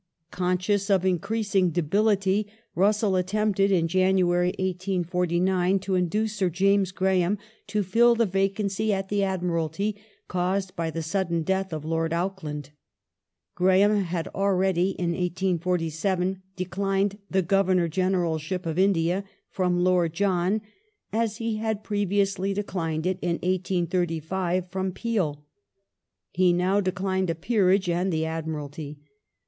Conscious of increasing debility, Russell attempted in January, 1849, to induce Sir James Graham to fill the vacancy at the Admiralty caused by the sudden death of Lord Auckland. Graham had already (in 1847) declined the Governor Generalship of India from Lord John, as he had previously declined it (in 1835) from Peel. He now declined a Peerage and the Admiralty.